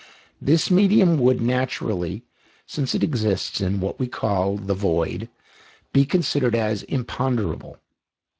This medium would, naturally since it exists in what we call the void be considered as imponderable.